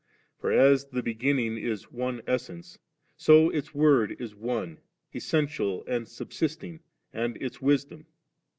For as die Beginning is one Essence, so Its Word is one, essen tial, and subsisting, and Its Wisdom.